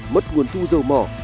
mất nguồn thu dầu mỏ